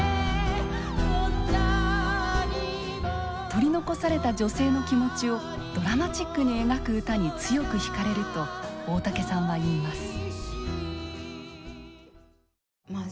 「取り残された女性の気持ちをドラマチックに描く歌に強くひかれる」と大竹さんは言います。